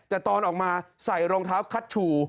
แต่ตอนออกมาใส่รองเท้าคัชชู